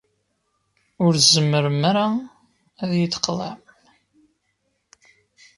Ur tzemmrem ara ad iyi-d-tqeḍɛem.